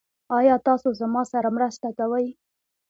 ایا تاسو زما سره مرسته کوئ؟